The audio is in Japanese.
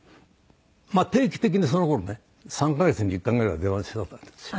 まあ定期的にその頃ね３カ月に１回ぐらいは電話してたんですよ。